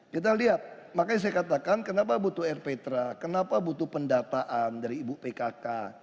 kita lihat makanya saya katakan kenapa butuh rptra kenapa butuh pendataan dari ibu pkk